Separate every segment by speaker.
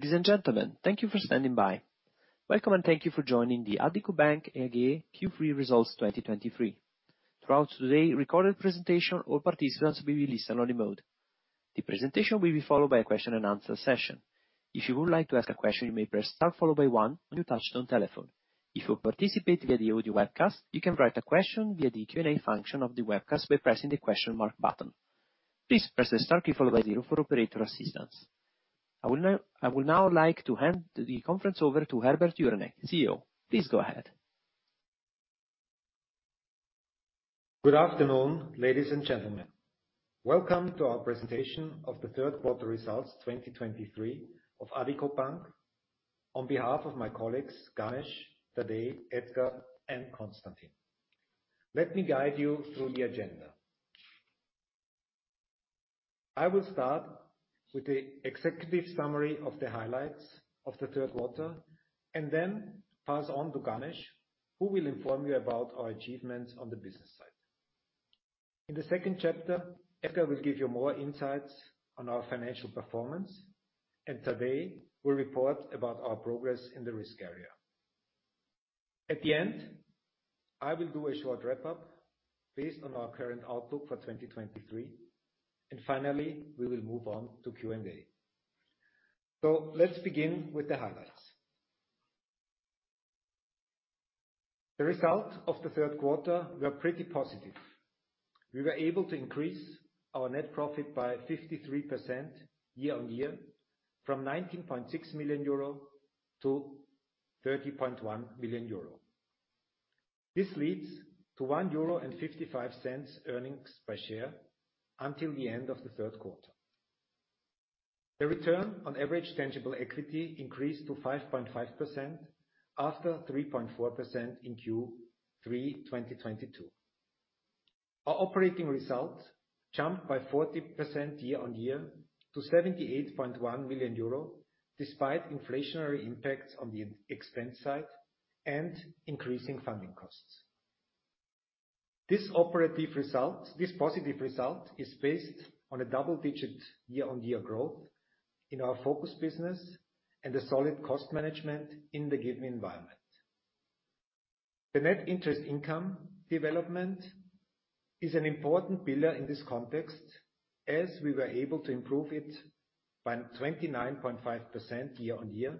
Speaker 1: Ladies and gentlemen, thank you for standing by. Welcome, and thank you for joining the Addiko Bank AG Q3 Results 2023. Throughout today's recorded presentation, all participants will be in listen-only mode. The presentation will be followed by a question and answer session. If you would like to ask a question, you may press star followed by one on your touchtone telephone. If you participate via the audio webcast, you can write a question via the Q&A function of the webcast by pressing the question mark button. Please press the star key followed by zero for operator assistance. I would now like to hand the conference over to Herbert Juranek, CEO. Please go ahead.
Speaker 2: Good afternoon, ladies and gentlemen. Welcome to our presentation of the third quarter results 2023 of Addiko Bank, on behalf of my colleagues, Ganesh, Tadej, Edgar, and Constantin. Let me guide you through the agenda. I will start with the executive summary of the highlights of the third quarter, and then pass on to Ganesh, who will inform you about our achievements on the business side. In the second chapter, Edgar will give you more insights on our financial performance, and Tadej will report about our progress in the risk area. At the end, I will do a short wrap-up based on our current outlook for 2023, and finally, we will move on to Q&A. So let's begin with the highlights. The result of the third quarter were pretty positive. We were able to increase our net profit by 53% year-on-year, from 19.6 million euro to 30.1 million euro. This leads to 1.55 euro earnings per share until the end of the third quarter. The return on average tangible equity increased to 5.5% after 3.4% in Q3 2022. Our operating results jumped by 40% year-on-year to 78.1 million euro, despite inflationary impacts on the expense side and increasing funding costs. This operative result, this positive result, is based on a double-digit year-on-year growth in our focus business and a solid cost management in the given environment. The net interest income development is an important pillar in this context, as we were able to improve it by 29.5% year-on-year,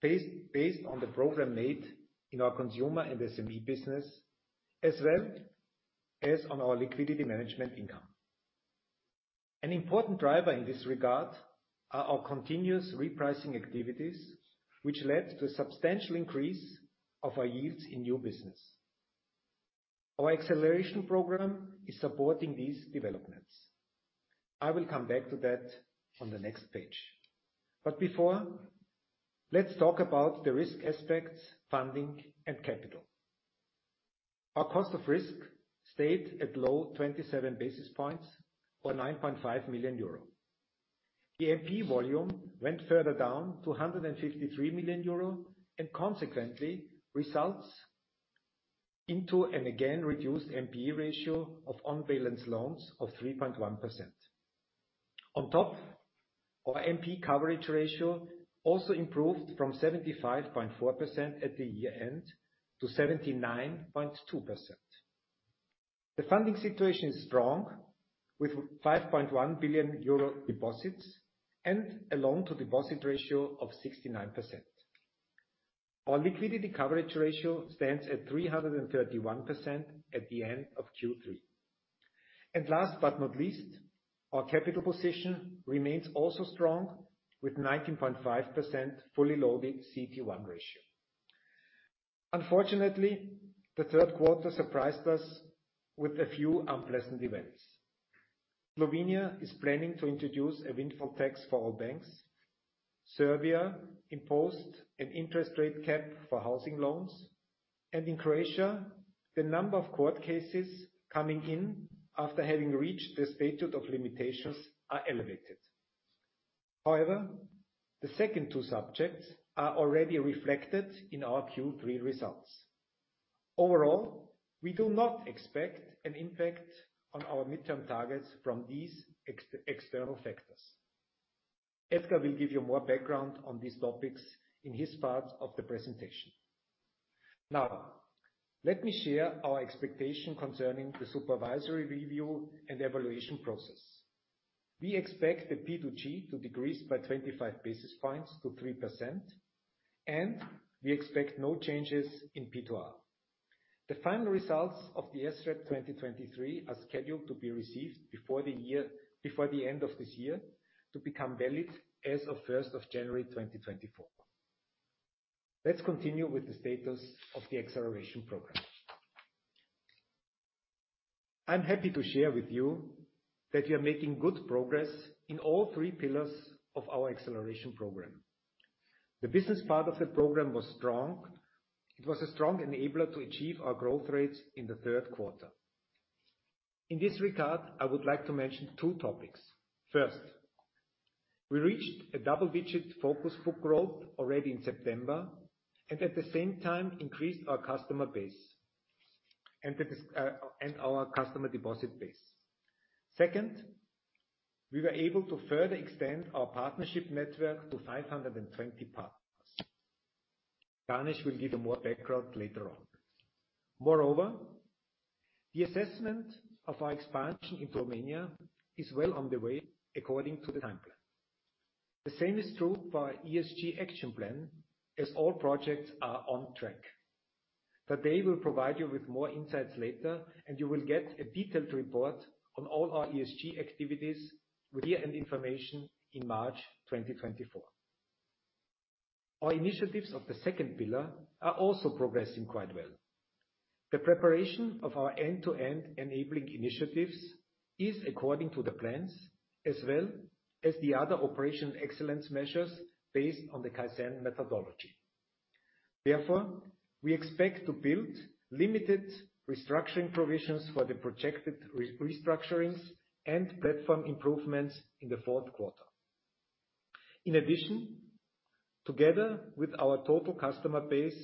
Speaker 2: based on the program made in our Consumer and SME business, as well as on our liquidity management income. An important driver in this regard are our continuous repricing activities, which led to a substantial increase of our yields in new business. Our Acceleration Program is supporting these developments. I will come back to that on the next page. But before, let's talk about the risk aspects, funding, and capital. Our cost of risk stayed at low 27 basis points or 9.5 million euro. The NPE volume went further down to 153 million euro, and consequently, results into an again reduced NPE ratio of on-balance loans of 3.1%. On top, our NPE coverage ratio also improved from 75.4% at the year-end to 79.2%. The funding situation is strong, with 5.1 billion euro deposits and a loan-to-deposit ratio of 69%. Our liquidity coverage ratio stands at 331% at the end of Q3. Last but not least, our capital position remains also strong, with 19.5% fully loaded CET1 ratio. Unfortunately, the third quarter surprised us with a few unpleasant events. Slovenia is planning to introduce a windfall tax for all banks. Serbia imposed an interest rate cap for housing loans, and in Croatia, the number of court cases coming in after having reached the statute of limitations are elevated. However, the second two subjects are already reflected in our Q3 results. Overall, we do not expect an impact on our mid-term targets from these external factors. Edgar will give you more background on these topics in his part of the presentation. Now, let me share our expectation concerning the Supervisory Review and Evaluation Process. We expect the P2G to decrease by 25 basis points to 3%, and we expect no changes in P2R. The final results of the SREP 2023 are scheduled to be received before the end of this year, to become valid as of January 1st, 2024. Let's continue with the status of the Acceleration Program. I'm happy to share with you that we are making good progress in all three pillars of our Acceleration Program. The business part of the program was strong. It was a strong enabler to achieve our growth rates in the third quarter. In this regard, I would like to mention two topics. First, we reached a double-digit focus book growth already in September, and at the same time increased our customer base and our customer deposit base. Second, we were able to further extend our partnership network to 520 partners. Ganesh will give you more background later on. Moreover, the assessment of our expansion in Romania is well on the way, according to the timeline. The same is true for our ESG action plan, as all projects are on track, but Tadej will provide you with more insights later, and you will get a detailed report on all our ESG activities with year-end information in March 2024. Our initiatives of the second pillar are also progressing quite well. The preparation of our end-to-end enabling initiatives is according to the plans, as well as the other operational excellence measures based on the Kaizen methodology. Therefore, we expect to build limited restructuring provisions for the projected restructurings and platform improvements in the fourth quarter. In addition, together with our total customer base,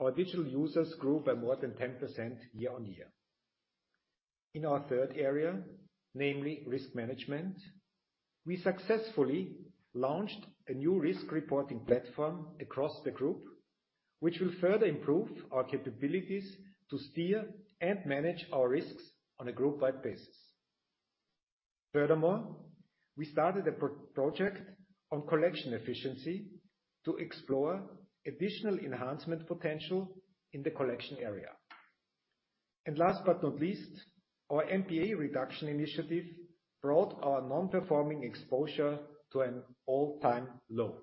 Speaker 2: our digital users grew by more than 10% year-on-year. In our third area, namely risk management, we successfully launched a new risk-reporting platform across the Group, which will further improve our capabilities to steer and manage our risks on a group-wide basis. Furthermore, we started a project on collection efficiency to explore additional enhancement potential in the collection area. And last but not least, our NPE reduction initiative brought our non-performing exposure to an all-time low.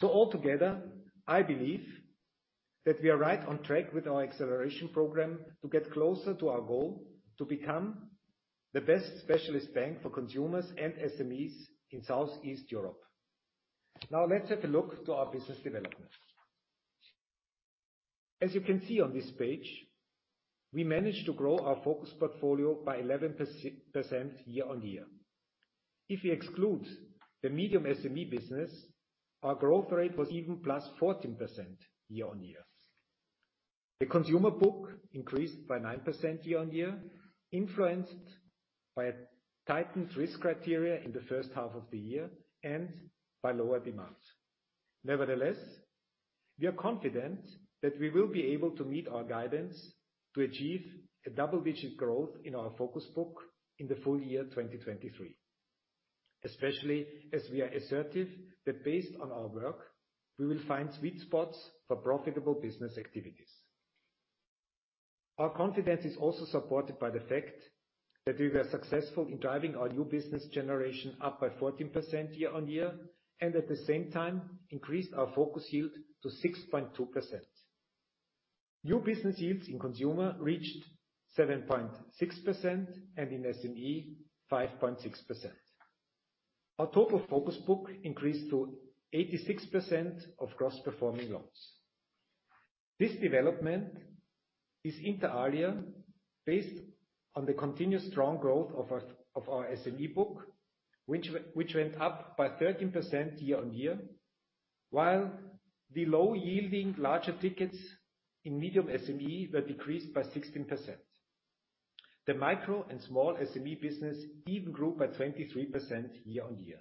Speaker 2: So altogether, I believe that we are right on track with our Acceleration Program to get closer to our goal to become the best specialist bank for consumers and SMEs in Southeast Europe. Now, let's have a look to our business development. As you can see on this page, we managed to grow our focus portfolio by 11% year-on-year. If you exclude the medium SME business, our growth rate was even +14% year-on-year. The consumer book increased by 9% year-on-year, influenced by tightened risk criteria in the first half of the year, and by lower demands. Nevertheless, we are confident that we will be able to meet our guidance to achieve a double-digit growth in our focus book in the full year 2023, especially as we are assertive that based on our work, we will find sweet spots for profitable business activities. Our confidence is also supported by the fact that we were successful in driving our new business generation up by 14% year-on-year, and at the same time increased our focus yield to 6.2%. New business yields in consumer reached 7.6%, and in SME, 5.6%. Our total focus book increased to 86% of gross performing loans. This development is inter alia based on the continuous strong growth of our SME book, which went up by 13% year-on-year, while the low-yielding larger tickets in medium SME were decreased by 16%. The micro and small SME business even grew by 23% year-on-year.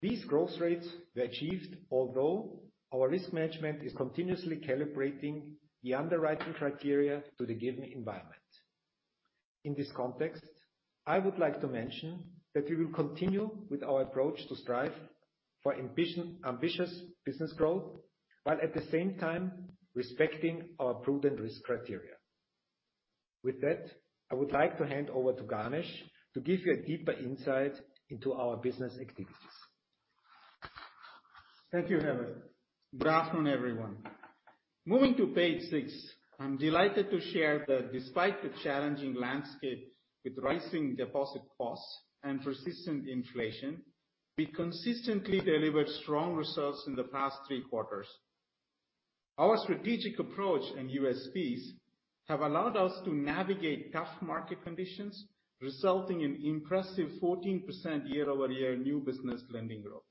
Speaker 2: These growth rates were achieved, although our risk management is continuously calibrating the underwriting criteria to the given environment. In this context, I would like to mention that we will continue with our approach to strive for ambitious business growth, while at the same time respecting our prudent risk criteria. With that, I would like to hand over to Ganesh to give you a deeper insight into our business activities.
Speaker 3: Thank you, Herbert. Good afternoon, everyone. Moving to page 6, I'm delighted to share that despite the challenging landscape with rising deposit costs and persistent inflation, we consistently delivered strong results in the past 3 quarters. Our strategic approach and USPs have allowed us to navigate tough market conditions, resulting in impressive 14% year-over-year new business lending growth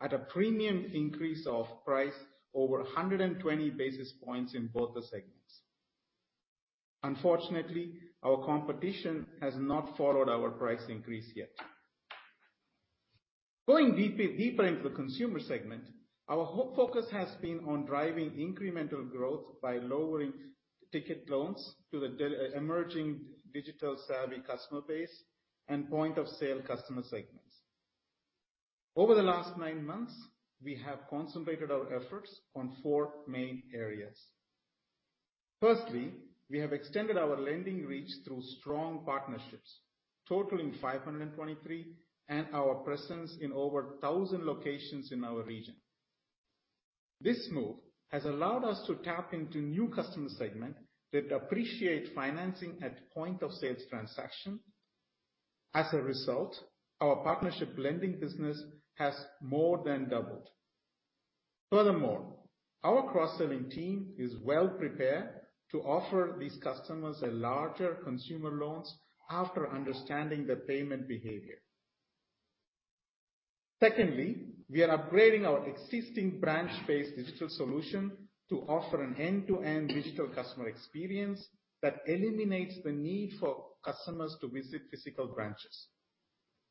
Speaker 3: at a premium increase of price over 120 basis points in both the segments. Unfortunately, our competition has not followed our price increase yet. Going deeper into the consumer segment, our whole focus has been on driving incremental growth by lowering ticket loans to the emerging digital savvy customer base and point of sale customer segments. Over the last 9 months, we have concentrated our efforts on 4 main areas. Firstly, we have extended our lending reach through strong partnerships, totaling 523, and our presence in over 1,000 locations in our region. This move has allowed us to tap into new customer segment that appreciate financing at point of sales transaction. As a result, our partnership lending business has more than doubled. Furthermore, our cross-selling team is well prepared to offer these customers a larger consumer loans after understanding the payment behavior.... Secondly, we are upgrading our existing branch-based digital solution to offer an end-to-end digital customer experience that eliminates the need for customers to visit physical branches.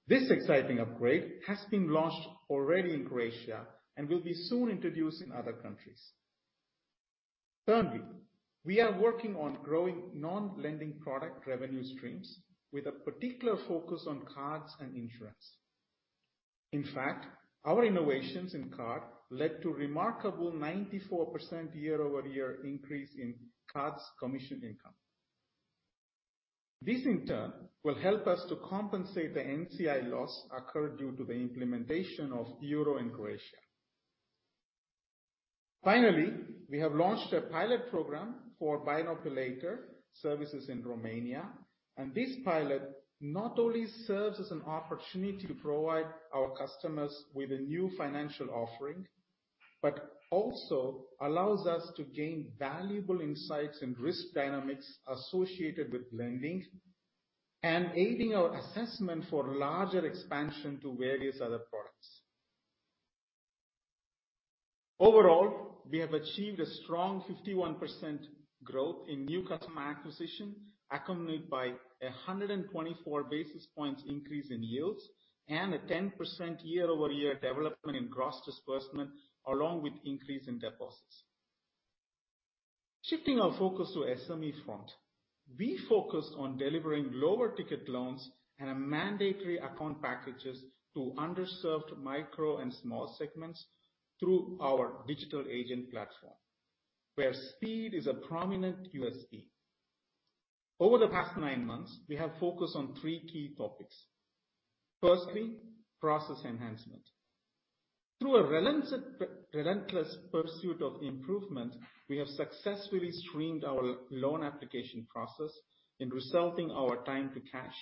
Speaker 3: This exciting upgrade has been launched already in Croatia and will be soon introduced in other countries. Thirdly, we are working on growing non-lending product revenue streams, with a particular focus on cards and insurance. In fact, our innovations in card led to remarkable 94% year-over-year increase in cards commission income. This, in turn, will help us to compensate the NCI loss occurred due to the implementation of euro in Croatia. Finally, we have launched a pilot program for buy now, pay later services in Romania, and this pilot not only serves as an opportunity to provide our customers with a new financial offering, but also allows us to gain valuable insights and risk dynamics associated with lending and aiding our assessment for larger expansion to various other products. Overall, we have achieved a strong 51% growth in new customer acquisition, accompanied by a 124 basis points increase in yields and a 10% year-over-year development in gross disbursement, along with increase in deposits. Shifting our focus to the SME front, we focus on delivering lower ticket loans and mandatory account packages to underserved micro and small segments through our digital agent platform, where speed is a prominent USP. Over the past nine months, we have focused on three key topics. Firstly, process enhancement. Through a relentless pursuit of improvement, we have successfully streamlined our loan application process, resulting in our time to cash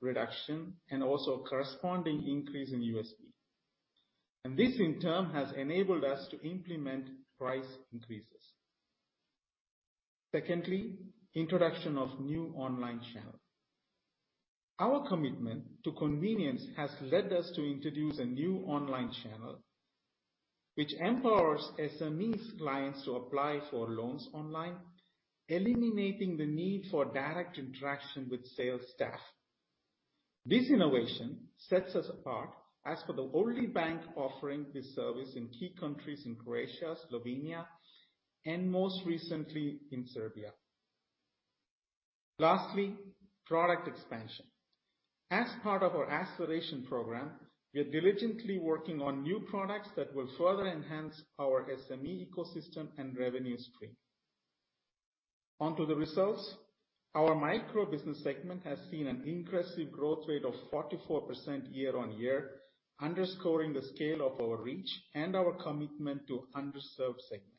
Speaker 3: reduction and also a corresponding increase in USP. And this, in turn, has enabled us to implement price increases. Secondly, introduction of new online channel. Our commitment to convenience has led us to introduce a new online channel, which empowers SME clients to apply for loans online, eliminating the need for direct interaction with sales staff. This innovation sets us apart as the only bank offering this service in key countries in Croatia, Slovenia, and most recently in Serbia. Lastly, product expansion. As part of our Acceleration Program, we are diligently working on new products that will further enhance our SME ecosystem and revenue stream. Onto the results. Our micro business segment has seen an impressive growth rate of 44% year-on-year, underscoring the scale of our reach and our commitment to underserved segments.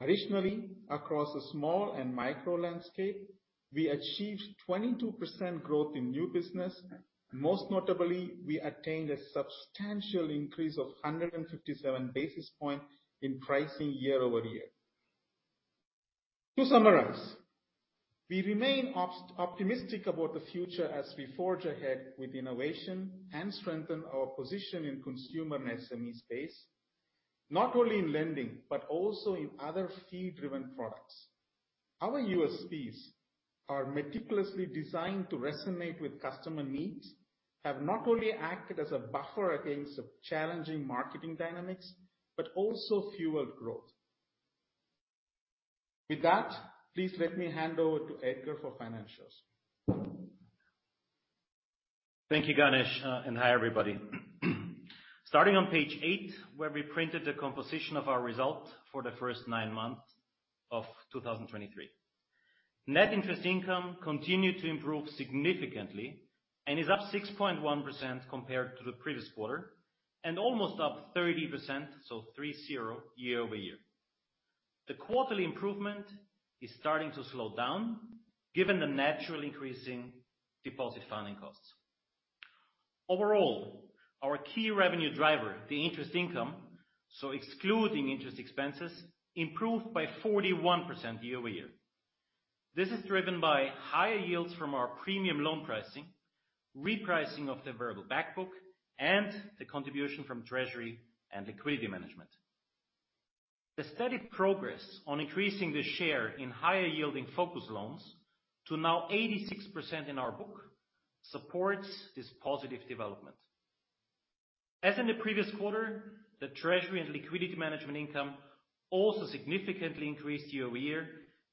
Speaker 3: Additionally, across the small and micro landscape, we achieved 22% growth in new business. Most notably, we attained a substantial increase of 157 basis points in pricing year-over-year. To summarize, we remain optimistic about the future as we forge ahead with innovation and strengthen our position in Consumer and SME space, not only in lending but also in other fee-driven products. Our USPs are meticulously designed to resonate with customer needs, have not only acted as a buffer against the challenging marketing dynamics, but also fueled growth. With that, please let me hand over to Edgar for financials.
Speaker 4: Thank you, Ganesh, and hi, everybody. Starting on page 8, where we printed the composition of our results for the first nine months of 2023. Net interest income continued to improve significantly and is up 6.1% compared to the previous quarter, and almost up 30%, so 30, year-over-year. The quarterly improvement is starting to slow down given the natural increasing deposit funding costs. Overall, our key revenue driver, the interest income, so excluding interest expenses, improved by 41% year-over-year. This is driven by higher yields from our premium loan pricing, repricing of the variable back book, and the contribution from treasury and liquidity management. The steady progress on increasing the share in higher yielding focus loans to now 86% in our book, supports this positive development. As in the previous quarter, the treasury and liquidity management income also significantly increased year-over-year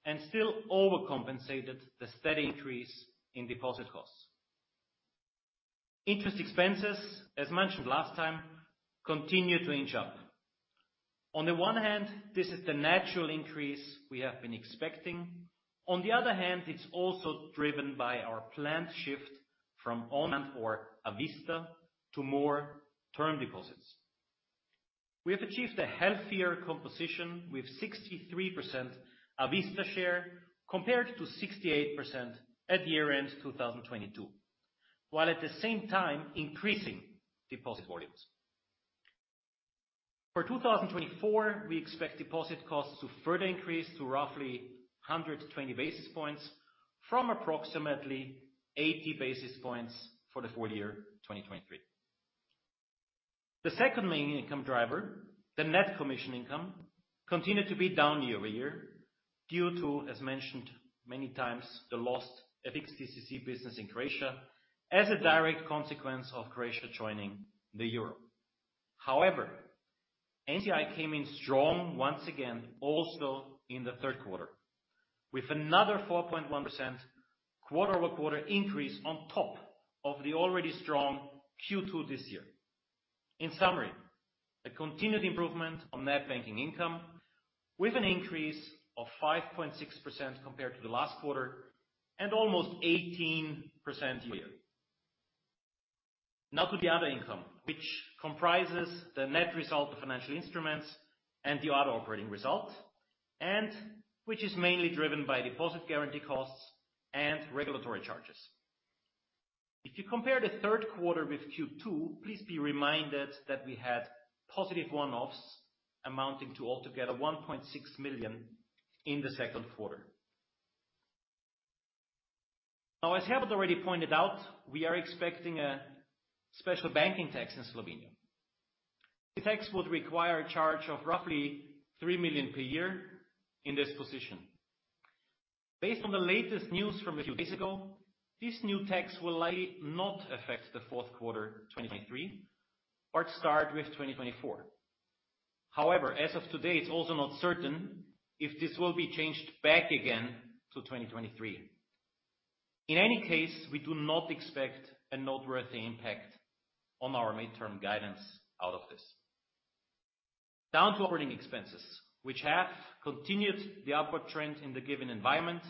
Speaker 4: and still overcompensated the steady increase in deposit costs. Interest expenses, as mentioned last time, continue to inch up. On the one hand, this is the natural increase we have been expecting. On the other hand, it's also driven by our planned shift from on or a-vista to more term deposits. We have achieved a healthier composition with 63% a-vista share, compared to 68% at the year end 2022, while at the same time increasing deposit volumes. For 2024, we expect deposit costs to further increase to roughly 100-120 basis points, from approximately 80 basis points for the full year 2023. The second main income driver, the net commission income, continued to be down year-over-year due to, as mentioned many times, the lost FX/DCC business in Croatia as a direct consequence of Croatia joining the euro. However, NCI came in strong once again, also in the third quarter, with another 4.1% quarter-over-quarter increase on top of the already strong Q2 this year. In summary, a continued improvement on net banking income with an increase of 5.6% compared to the last quarter, and almost 18% year-over-year. Now to the other income, which comprises the net result of financial instruments and the other operating results, and which is mainly driven by deposit guarantee costs and regulatory charges. If you compare the third quarter with Q2, please be reminded that we had positive one-offs amounting to altogether 1.6 million in the second quarter. Now, as Herbert already pointed out, we are expecting a special banking tax in Slovenia. The tax would require a charge of roughly 3 million per year in this position. Based on the latest news from a few days ago, this new tax will likely not affect the fourth quarter 2023, or start with 2024. However, as of today, it's also not certain if this will be changed back again to 2023. In any case, we do not expect a noteworthy impact on our mid-term guidance out of this. Down to operating expenses, which have continued the upward trend in the given environment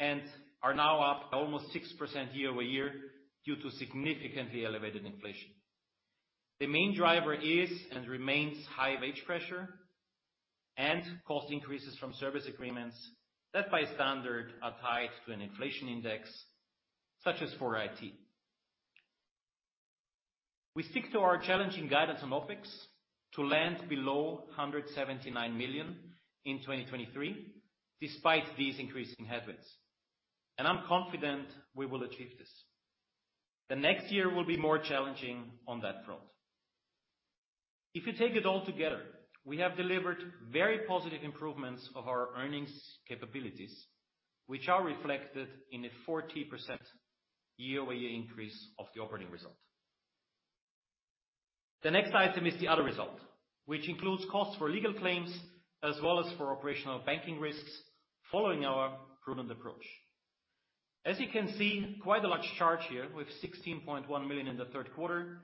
Speaker 4: and are now up by almost 6% year-over-year due to significantly elevated inflation. The main driver is, and remains, high wage pressure and cost increases from service agreements that by standard are tied to an inflation index, such as for IT. We stick to our challenging guidance on OpEx to land below 179 million in 2023, despite these increasing headwinds, and I'm confident we will achieve this. The next year will be more challenging on that front. If you take it all together, we have delivered very positive improvements of our earnings capabilities, which are reflected in a 40% year-over-year increase of the operating result. The next item is the other result, which includes costs for legal claims as well as for operational banking risks following our prudent approach. As you can see, quite a large charge here with 16.1 million in the third quarter,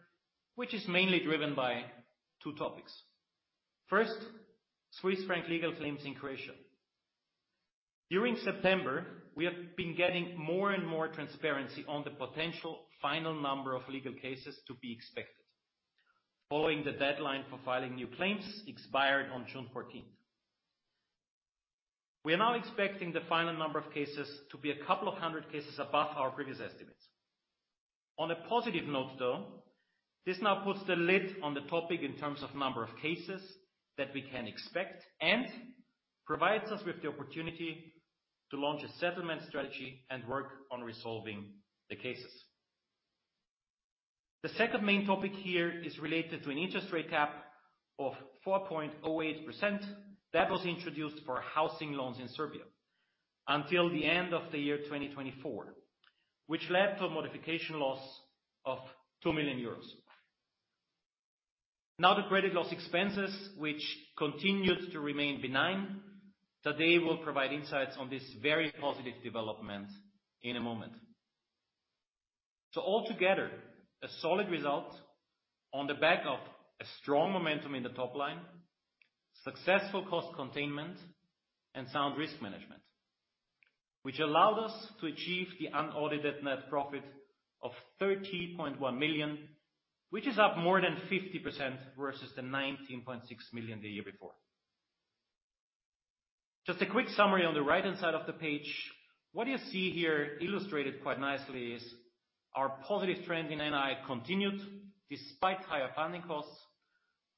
Speaker 4: which is mainly driven by two topics. First, Swiss franc legal claims in Croatia. During September, we have been getting more and more transparency on the potential final number of legal cases to be expected, following the deadline for filing new claims expired on June 14th. We are now expecting the final number of cases to be a couple of hundred cases above our previous estimates. On a positive note, though, this now puts the lid on the topic in terms of number of cases that we can expect, and provides us with the opportunity to launch a settlement strategy and work on resolving the cases. The second main topic here is related to an interest rate cap of 4.08% that was introduced for housing loans in Serbia until the end of the year 2024, which led to a modification loss of 2 million euros. Now, the credit loss expenses, which continued to remain benign, Tadej will provide insights on this very positive development in a moment. So altogether, a solid result on the back of a strong momentum in the top line, successful cost containment, and sound risk management, which allowed us to achieve the unaudited net profit of 30.1 million, which is up more than 50% versus the 19.6 million the year before. Just a quick summary on the right-hand side of the page. What you see here illustrated quite nicely is our positive trend in NII continued despite higher funding costs,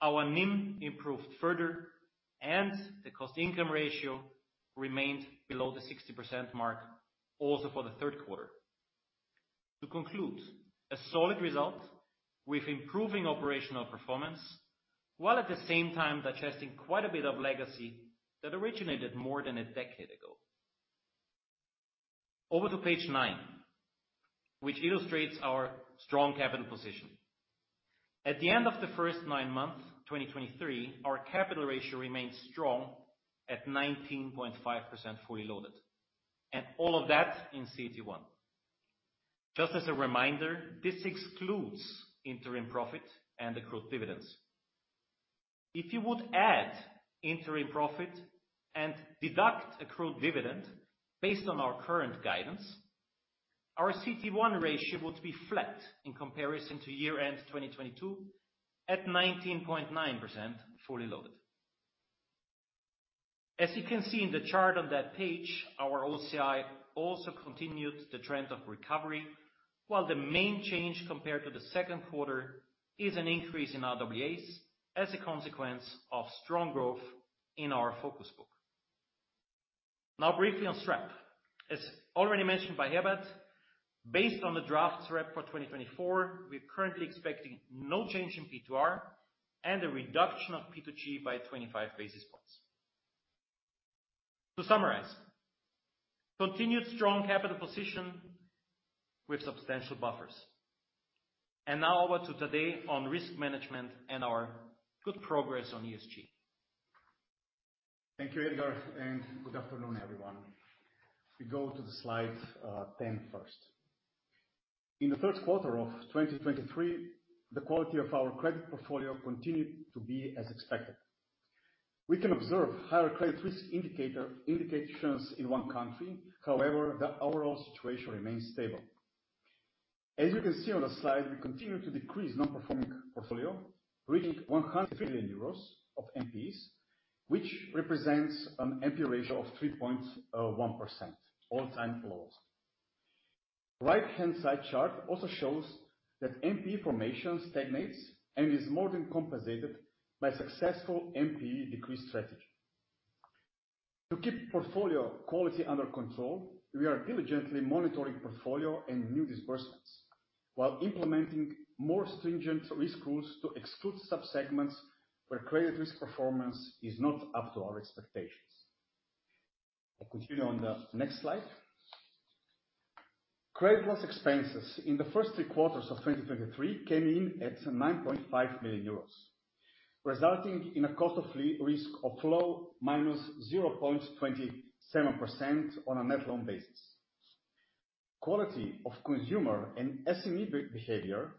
Speaker 4: our NIM improved further, and the cost income ratio remained below the 60% mark, also for the third quarter. To conclude, a solid result with improving operational performance, while at the same time addressing quite a bit of legacy that originated more than a decade ago. Over to page 9, which illustrates our strong capital position. At the end of the first nine months, 2023, our capital ratio remains strong at 19.5% fully loaded, and all of that in CET1. Just as a reminder, this excludes interim profit and accrued dividends. If you would add interim profit and deduct accrued dividend based on our current guidance, our CET1 ratio would be flat in comparison to year-end 2022, at 19.9% fully loaded. As you can see in the chart on that page, our OCI also continued the trend of recovery, while the main change compared to the second quarter is an increase in RWAs as a consequence of strong growth in our focus book. Now, briefly on SREP. As already mentioned by Herbert, based on the draft SREP for 2024, we're currently expecting no change in P2R and a reduction of P2G by 25 basis points. To summarize, continued strong capital position with substantial buffers. Now over to Tadej on risk management and our good progress on ESG.
Speaker 5: Thank you, Edgar, and good afternoon, everyone. We go to the slide ten first. In the first quarter of 2023, the quality of our credit portfolio continued to be as expected. We can observe higher credit risk indications in one country, however, the overall situation remains stable. As you can see on the slide, we continue to decrease non-performing portfolio, reaching 153 million euros of NPEs, which represents an NPE ratio of 3.1%, all-time lows. Right-hand side chart also shows that NPE formation stagnates and is more than compensated by successful NPE decrease strategy. To keep portfolio quality under control, we are diligently monitoring portfolio and new disbursements, while implementing more stringent risk rules to exclude sub-segments where credit risk performance is not up to our expectations. I continue on the next slide. Credit loss expenses in the first three quarters of 2023 came in at 9.5 million euros, resulting in a cost of risk of low minus 0.27% on a net loan basis. Quality of Consumer and SME behavior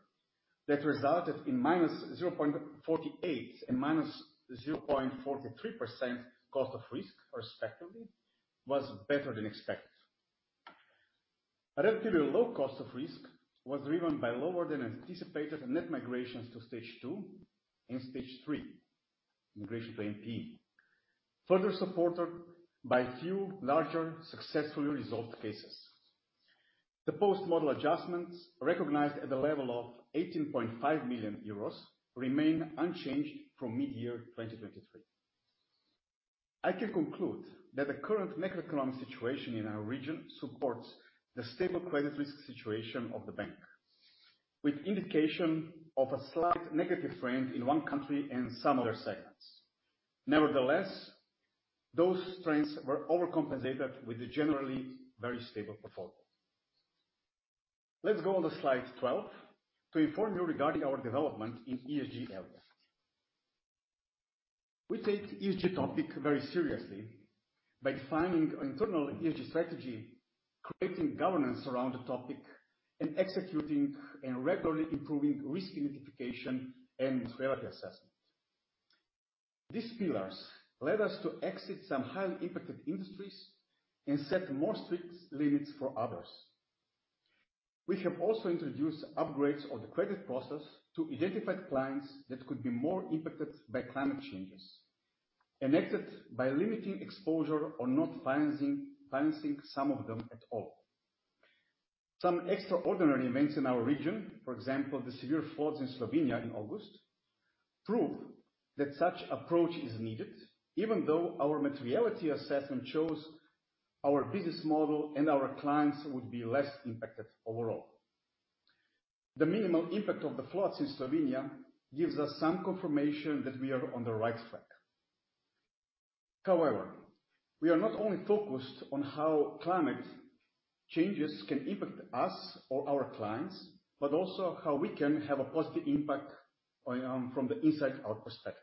Speaker 5: that resulted in -0.48% and -0.43% cost of risk, respectively, was better than expected. A relatively low cost of risk was driven by lower than anticipated net migrations to Stage 2 and Stage 3, migration to NPE, further supported by few larger successfully resolved cases. The post-model adjustments, recognized at the level of 18.5 million euros, remain unchanged from mid-year 2023. I can conclude that the current macroeconomic situation in our region supports the stable credit risk situation of the bank, with indication of a slight negative trend in one country and some other segments. Nevertheless, those trends were overcompensated with a generally very stable portfolio. Let's go on the slide 12 to inform you regarding our development in ESG areas. We take ESG topic very seriously by defining our internal ESG strategy, creating governance around the topic, and executing and regularly improving risk identification and materiality assessment. These pillars led us to exit some highly impacted industries and set more strict limits for others. We have also introduced upgrades of the credit process to identify clients that could be more impacted by climate changes, and acted by limiting exposure or not financing some of them at all. Some extraordinary events in our region, for example, the severe floods in Slovenia in August, prove that such approach is needed, even though our materiality assessment shows our business model and our clients would be less impacted overall. The minimal impact of the floods in Slovenia gives us some confirmation that we are on the right track. However, we are not only focused on how climate changes can impact us or our clients, but also how we can have a positive impact, from the inside out perspective.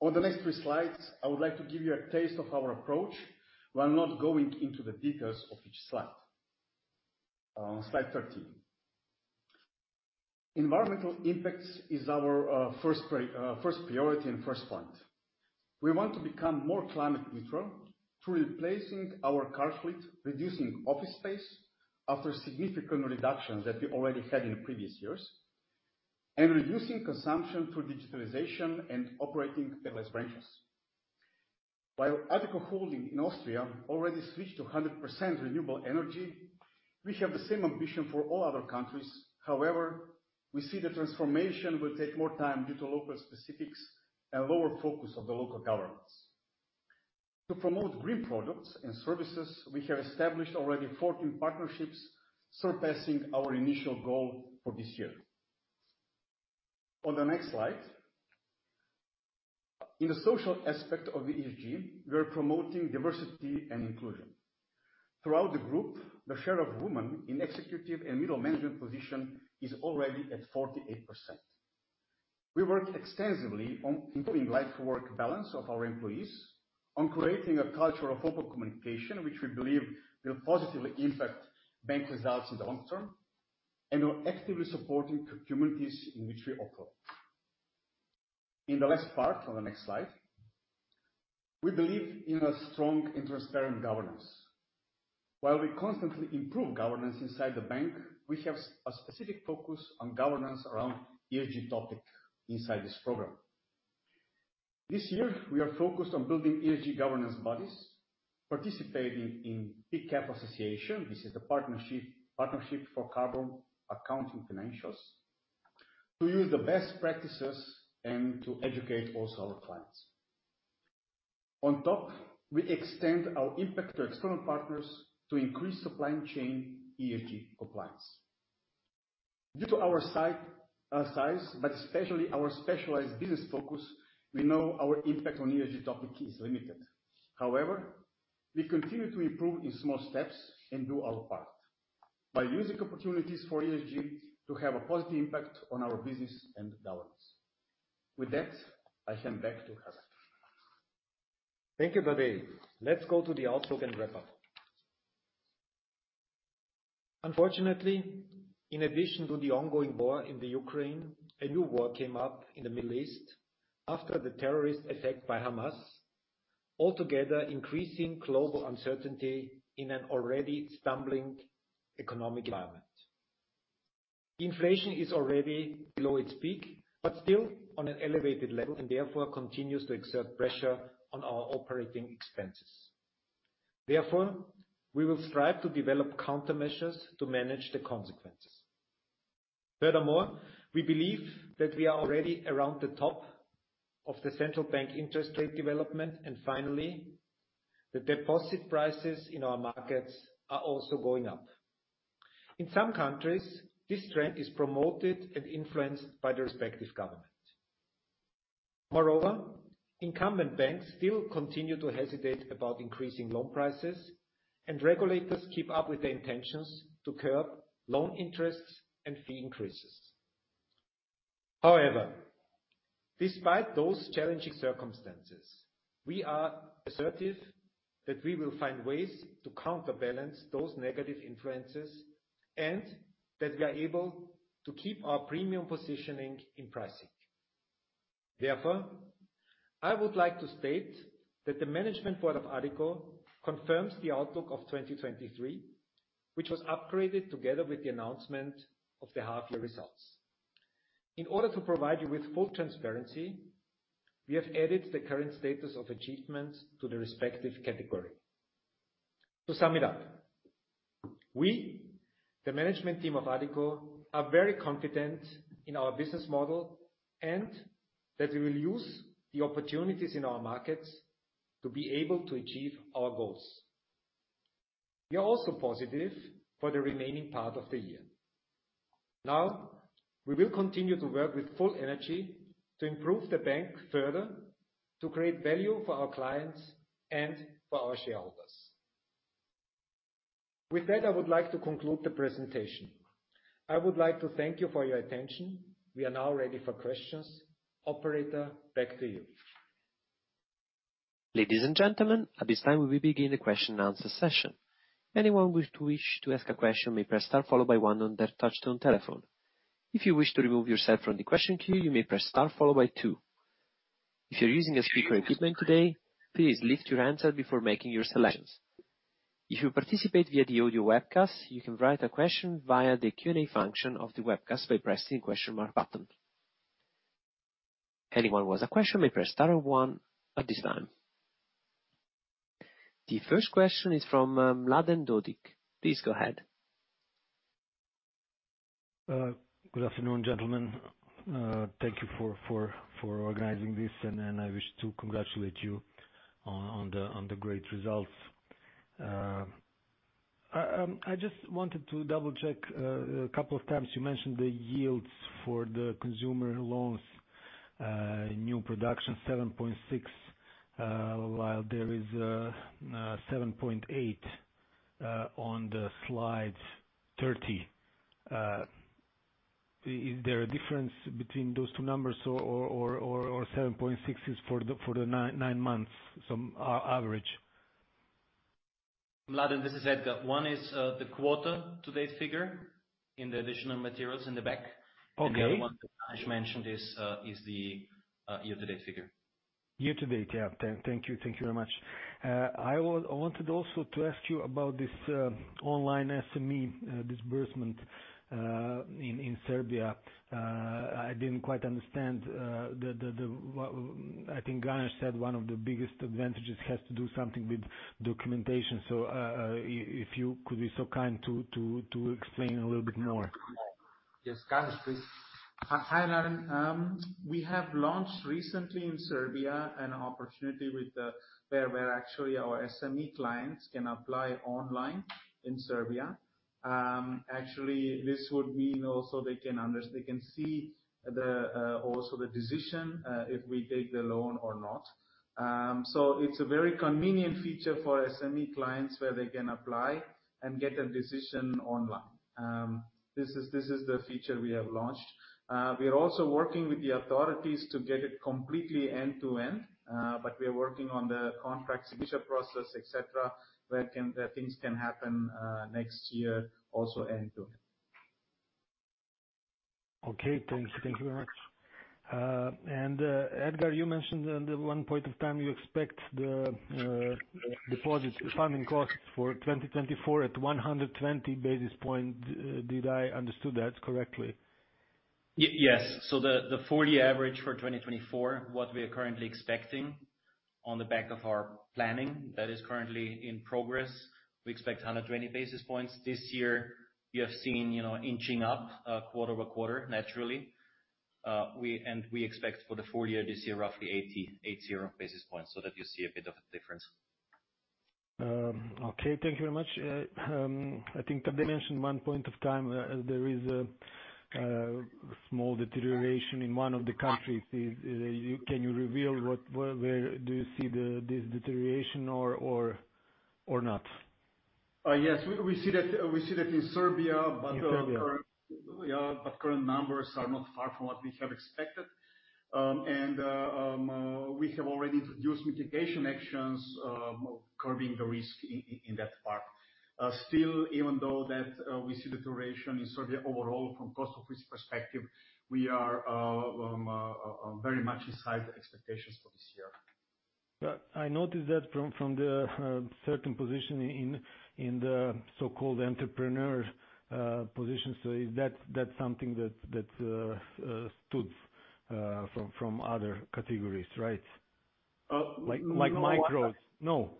Speaker 5: On the next three slides, I would like to give you a taste of our approach, while not going into the details of each slide. Slide thirteen. Environmental impacts is our first priority and first point. We want to become more climate neutral through replacing our car fleet, reducing office space after significant reductions that we already had in previous years, and reducing consumption through digitalization and operating paperless branches. While Addiko Holding in Austria already switched to 100% renewable energy, we have the same ambition for all other countries. However, we see the transformation will take more time due to local specifics and lower focus of the local governments. To promote green products and services, we have established already 14 partnerships, surpassing our initial goal for this year. On the next slide, in the social aspect of ESG, we are promoting diversity and inclusion. Throughout the Group, the share of women in executive and middle management positions is already at 48%. We work extensively on improving work-life balance of our employees, on creating a culture of open communication, which we believe will positively impact bank results in the long-term, and we're actively supporting communities in which we operate. In the last part, on the next slide, we believe in a strong and transparent governance. While we constantly improve governance inside the bank, we have a specific focus on governance around ESG topic inside this program. This year, we are focused on building ESG governance bodies, participating in PCAF Association, this is the Partnership for Carbon Accounting Financials, to use the best practices and to educate also our clients. On top, we extend our impact to external partners to increase supply chain ESG compliance. Due to our size, but especially our specialized business focus, we know our impact on ESG topic is limited. However, we continue to improve in small steps and do our part, by using opportunities for ESG to have a positive impact on our business and balance. With that, I hand back to Edgar.
Speaker 2: Thank you, Tadej. Let's go to the outlook and wrap up. Unfortunately, in addition to the ongoing war in the Ukraine, a new war came up in the Middle East after the terrorist attack by Hamas, altogether increasing global uncertainty in an already stumbling economic environment. Inflation is already below its peak, but still on an elevated level, and therefore continues to exert pressure on our operating expenses. Therefore, we will strive to develop countermeasures to manage the consequences. Furthermore, we believe that we are already around the top of the central bank interest rate development, and finally, the deposit prices in our markets are also going up. In some countries, this trend is promoted and influenced by the respective government. Moreover, incumbent banks still continue to hesitate about increasing loan prices, and regulators keep up with the intentions to curb loan interests and fee increases. However, despite those challenging circumstances, we are assertive that we will find ways to counterbalance those negative influences, and that we are able to keep our premium positioning in pricing. Therefore, I would like to state that the management board of Addiko confirms the outlook of 2023, which was upgraded together with the announcement of the half year results. In order to provide you with full transparency, we have added the current status of achievements to the respective category. To sum it up, we, the management team of Addiko, are very confident in our business model and that we will use the opportunities in our markets to be able to achieve our goals. We are also positive for the remaining part of the year. Now, we will continue to work with full energy to improve the bank further, to create value for our clients and for our shareholders. With that, I would like to conclude the presentation. I would like to thank you for your attention. We are now ready for questions. Operator, back to you.
Speaker 1: Ladies and gentlemen, at this time, we will begin the question and answer session. Anyone who wishes to ask a question may press star, followed by one on their touchtone telephone. If you wish to remove yourself from the question queue, you may press star followed by two. If you're using speakerphone equipment today, please lift your handset before making your selections. If you participate via the audio webcast, you can write a question via the Q&A function of the webcast by pressing the question mark button. Anyone who has a question may press star one at this time. The first question is from Mladen Dodig. Please go ahead.
Speaker 6: Good afternoon, gentlemen. Thank you for organizing this, and then I wish to congratulate you on the great results. I just wanted to double-check, a couple of times you mentioned the yields for the consumer loans, new production, 7.6%, while there is 7.8% on the slide 30. Is there a difference between those two numbers or 7.6% is for the nine months, some average?
Speaker 4: Mladen, this is Edgar. One is, the quarter-to-date figure in the additional materials in the back.
Speaker 6: Okay.
Speaker 4: The other one, which I just mentioned, is the year-to-date figure.
Speaker 6: Year-to-date. Yeah. Thank you. Thank you very much. I wanted also to ask you about this online SME disbursement in Serbia. I didn't quite understand. I think Ganesh said one of the biggest advantages has to do something with documentation. So, if you could be so kind to explain a little bit more.
Speaker 2: Yes. Ganesh, please.
Speaker 3: Hi, Mladen. We have launched recently in Serbia an opportunity where actually our SME clients can apply online in Serbia. Actually, this would mean also they can see the decision if we take the loan or not. So it's a very convenient feature for SME clients, where they can apply and get a decision online. This is the feature we have launched. We are also working with the authorities to get it completely end-to-end, but we are working on the contract signature process, etc., where things can happen next year, also end-to-end.
Speaker 6: Okay, thanks. Thank you very much. And, Edgar, you mentioned at one point of time, you expect the, deposit funding costs for 2024 at 120 basis point. Did I understood that correctly?
Speaker 4: Yes. So the full year average for 2024, what we are currently expecting on the back of our planning that is currently in progress, we expect 120 basis points. This year, we have seen, you know, inching up quarter-over-quarter, naturally. And we expect for the full year, this year, roughly 80 euro basis points, so that you see a bit of a difference.
Speaker 6: Okay, thank you very much. I think Tadej mentioned one point of time, there is a small deterioration in one of the countries. Can you reveal what, where do you see this deterioration or not?
Speaker 7: Yes, we, we see that, we see that in Serbia-
Speaker 6: In Serbia.
Speaker 7: But current numbers are not far from what we have expected. And we have already introduced mitigation actions, curbing the risk in that part. Still, even though that, we see deterioration in Serbia overall, from cost of risk perspective, we are very much inside the expectations for this year.
Speaker 6: I noticed that from the certain position in the so-called entrepreneur position. So is that something that stood from other categories, right?
Speaker 7: Uh, no-
Speaker 6: Like, like micro... No?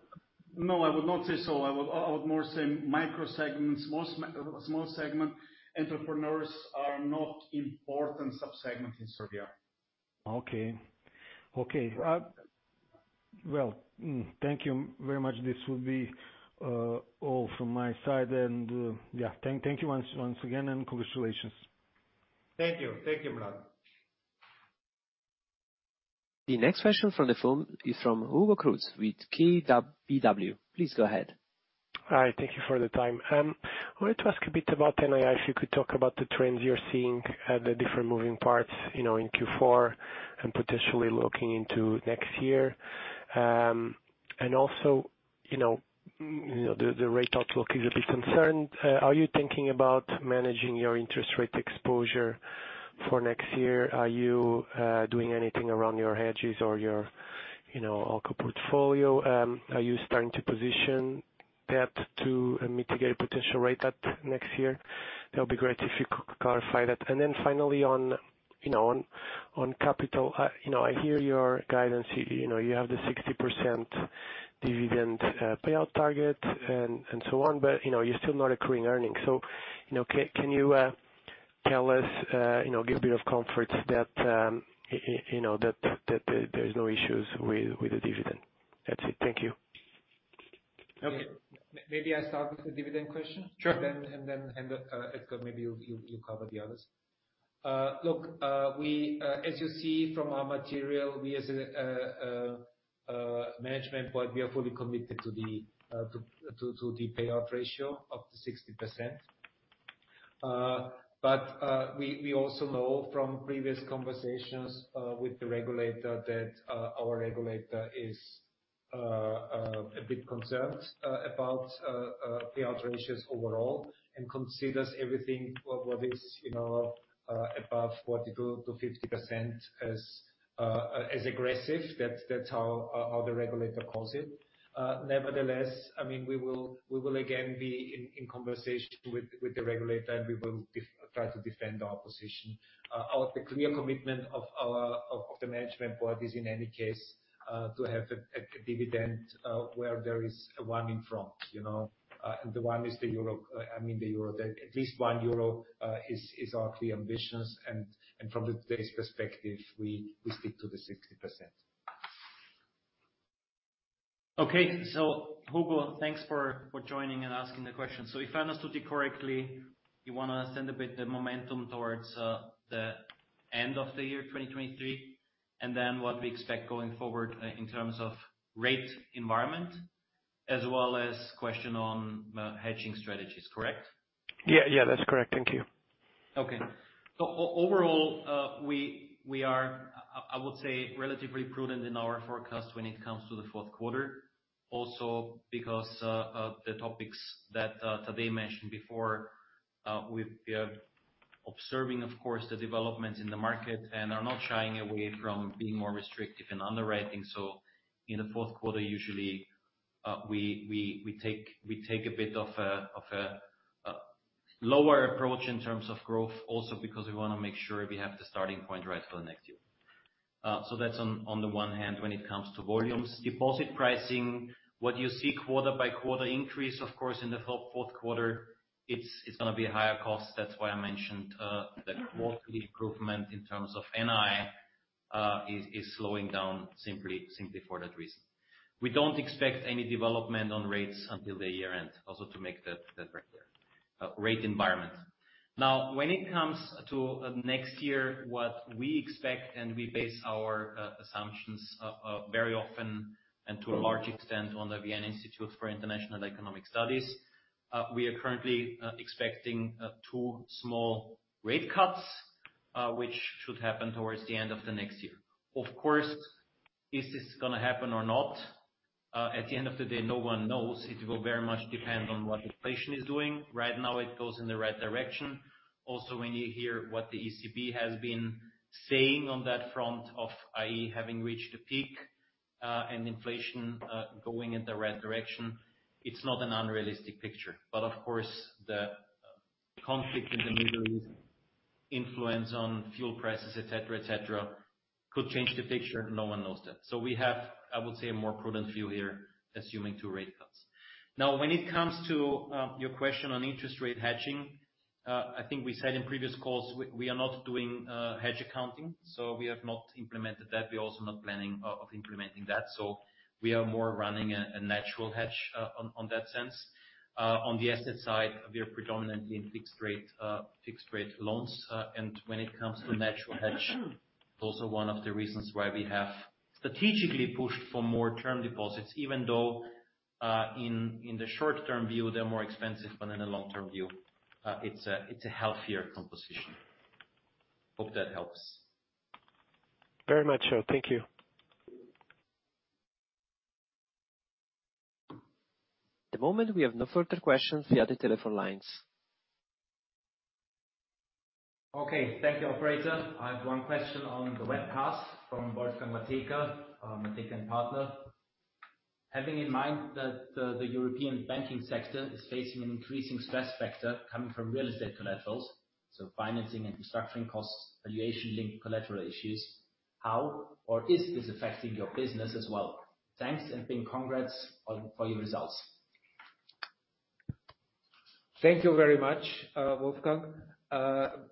Speaker 7: No, I would not say so. I would more say micro segments, small segment entrepreneurs are not important sub-segments in Serbia.
Speaker 6: Okay. Okay, well, thank you very much. This will be all from my side and yeah, thank you once again, and congratulations.
Speaker 7: Thank you. Thank you, Mladen.
Speaker 1: The next question from the phone is from Hugo Cruz with KBW. Please go ahead.
Speaker 8: Hi, thank you for the time. I wanted to ask a bit about NII. If you could talk about the trends you're seeing at the different moving parts, you know, in Q4 and potentially looking into next year. And also, you know, the rate outlook is a bit concerned. Are you thinking about managing your interest rate exposure for next year? Are you doing anything around your hedges or your, you know, portfolio? Are you starting to position that to mitigate a potential rate up next year? That would be great if you could clarify that. And then finally, on, you know, on capital, you know, I hear your guidance. You know, you have the 60% dividend pay-out target and so on, but, you know, you're still not accruing earnings. So, you know, can you tell us, you know, give a bit of comfort that, you know, that there's no issues with the dividend? That's it. Thank you.
Speaker 2: Okay. Maybe I start with the dividend question.
Speaker 8: Sure.
Speaker 2: Edgar, maybe you'll cover the others. Look, as you see from our material, we as a management board are fully committed to the pay-out ratio of 60%. But we also know from previous conversations with the regulator that our regulator is a bit concerned about pay-out ratios overall, and considers everything what is, you know, above 40%-50% as aggressive. That's how the regulator calls it. Nevertheless, I mean, we will again be in conversation with the regulator, and we will try to defend our position. The clear commitment of our management board is in any case to have a dividend where there is a 1 in front, you know, and the 1 is the euro. I mean, the euro, at least 1 euro, is our clear ambitions and from today's perspective, we stick to the 60%.
Speaker 4: Okay. So Hugo, thanks for joining and asking the question. So if I understood it correctly, you wanna send a bit the momentum towards the end of the year 2023, and then what we expect going forward in terms of rate environment, as well as question on hedging strategies, correct?
Speaker 8: Yeah, yeah, that's correct. Thank you.
Speaker 4: Okay. So overall, we are, I would say, relatively prudent in our forecast when it comes to the fourth quarter. Also, because the topics that Tadej mentioned before, we are observing, of course, the developments in the market and are not shying away from being more restrictive in underwriting. So in the fourth quarter, usually, we take a bit of a lower approach in terms of growth, also because we wanna make sure we have the starting point right for the next year. So that's on the one hand, when it comes to volumes. Deposit pricing, what you see quarter by quarter increase, of course, in the fourth quarter, it's gonna be a higher cost. That's why I mentioned the quarterly improvement in terms of NII is slowing down simply, simply for that reason. We don't expect any development on rates until the year end, also to make that, that right there, rate environment. Now, when it comes to next year, what we expect, and we base our assumptions very often and to a large extent on the Vienna Institute for International Economic Studies, we are currently expecting two small rate cuts, which should happen towards the end of the next year. Of course, is this gonna happen or not? At the end of the day, no one knows. It will very much depend on what inflation is doing. Right now, it goes in the right direction. Also, when you hear what the ECB has been saying on that front of, i.e., having reached a peak, and inflation going in the right direction, it's not an unrealistic picture. But of course, the conflict in the Middle East, influence on fuel prices, etc., etc., could change the picture. No one knows that. So we have, I would say, a more prudent view here, assuming two rate cuts. Now, when it comes to your question on interest rate hedging, I think we said in previous calls, we are not doing hedge accounting, so we have not implemented that. We're also not planning on implementing that, so we are more running a natural hedge on that sense. On the asset side, we are predominantly in fixed rate fixed rate loans. When it comes to natural hedge, also one of the reasons why we have strategically pushed for more term deposits, even though, in the short-term view, they're more expensive, but in the long-term view, it's a healthier composition. Hope that helps.
Speaker 8: Very much so. Thank you.
Speaker 1: At the moment, we have no further questions via the telephone lines.
Speaker 4: Okay, thank you, operator. I have one question on the webcast from Wolfgang Matejka, Matejka & Partner. Having in mind that the European banking sector is facing an increasing stress factor coming from real estate collaterals, so financing and restructuring costs, valuation-linked collateral issues, how or is this affecting your business as well? Thanks, and big congrats on, for your results.
Speaker 2: Thank you very much, Wolfgang.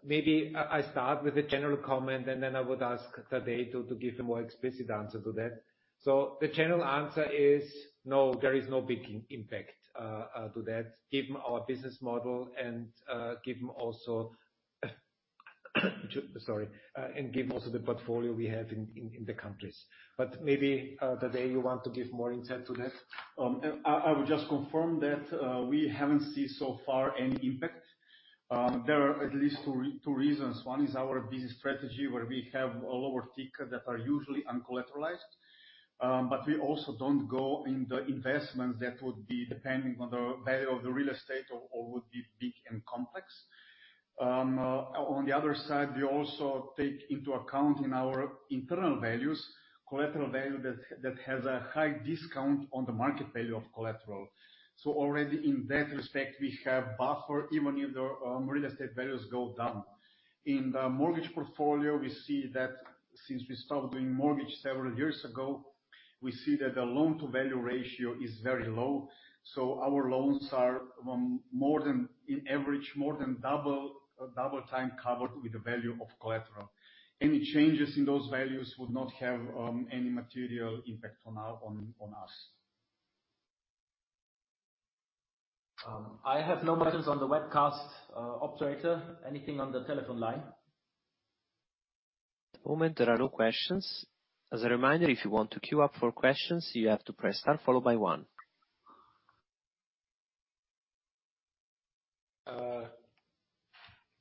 Speaker 2: Maybe I start with a general comment, and then I would ask Tadej to give a more explicit answer to that. So the general answer is no, there is no big impact to that, given our business model and given also the portfolio we have in the countries. But maybe, Tadej, you want to give more insight to that?
Speaker 5: I would just confirm that we haven't seen so far any impact. There are at least two reasons. One is our business strategy, where we have a lower ticket that are usually uncollateralized. But we also don't go in the investments that would be depending on the value of the real estate or would be big and complex. On the other side, we also take into account in our internal values, collateral value that has a high discount on the market value of collateral. So already in that respect, we have buffer even if the real estate values go down. In the mortgage portfolio, we see that since we stopped doing mortgage several years ago, we see that the loan-to-value ratio is very low, so our loans are, more than, in average, more than double, double time covered with the value of collateral. Any changes in those values would not have any material impact on our us.
Speaker 7: I have no questions on the webcast. Operator, anything on the telephone line?
Speaker 1: At the moment, there are no questions. As a reminder, if you want to queue up for questions, you have to press star followed by one.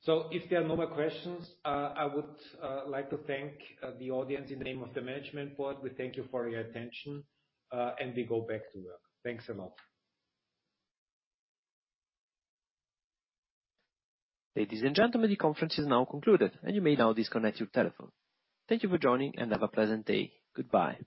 Speaker 2: So if there are no more questions, I would like to thank the audience in the name of the Management Board. We thank you for your attention, and we go back to work. Thanks a lot.
Speaker 1: Ladies and gentlemen, the conference is now concluded, and you may now disconnect your telephone. Thank you for joining, and have a pleasant day. Goodbye.